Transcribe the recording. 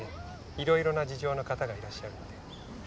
いろいろな事情の方がいらっしゃるので。